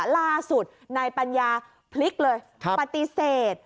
ล่าสุดนายปัญญาพลิกเลยปฏิเสธ